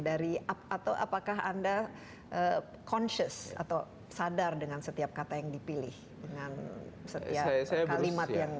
dari atau apakah anda consious atau sadar dengan setiap kata yang dipilih dengan setiap kalimat yang